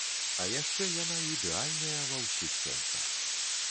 А яшчэ яна ідэальная ва ўсіх сэнсах.